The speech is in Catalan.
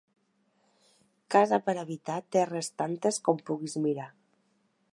Casa per habitar, terres tantes com puguis mirar.